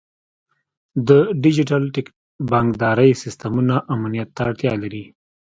د ډیجیټل بانکدارۍ سیستمونه امنیت ته اړتیا لري.